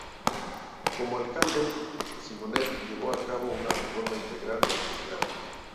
Como alcalde, Simonet llevó a cabo una reforma integral de la ciudad.